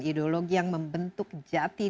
ideologi yang membentuk jati